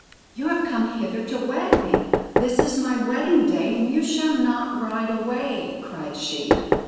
"You have come hither to wed me. This is my wedding day, and you shall not ride away!" cried she.